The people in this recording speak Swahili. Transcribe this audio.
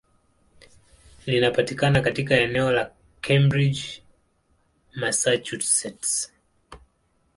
Linapatikana katika eneo la Cambridge, Massachusetts.